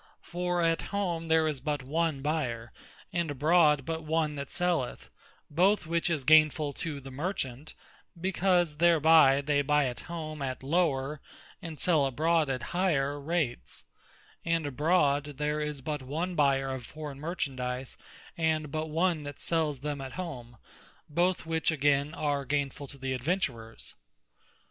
For at home there is but one buyer, and abroad but one that selleth: both which is gainfull to the Merchant, because thereby they buy at home at lower, and sell abroad at higher rates: And abroad there is but one buyer of forraign Merchandise, and but one that sels them at home; both which againe are gainfull to the adventurers.